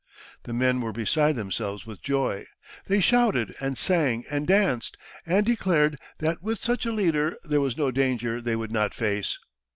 The men were beside themselves with joy; they shouted and sang and danced, and declared that with such a leader there was no danger they would not face.